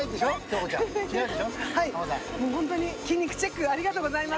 ホントに筋肉チェックありがとうございます。